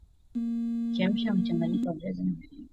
chemsha mchanganyiko wako wa viazi lishe